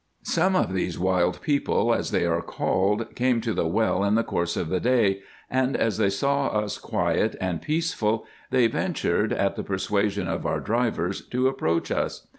Some of these wild people, as they are called, came to the well in the course of the day, and as they saw us quiet and peaceful, they ventured, at the persuasion of our drivers, to approach us.